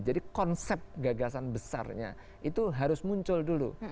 jadi konsep gagasan besarnya itu harus muncul dulu